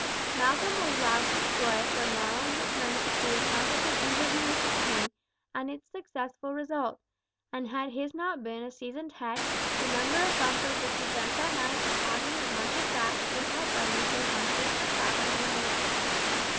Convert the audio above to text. Malcolm was wild with joy when Ronald returned with the account of his interview with the king and its successful result, and had his not been a seasoned head, the number of bumpers which he drank that night in honour of Marshal Saxe would have rendered him unfit for travel in the morning.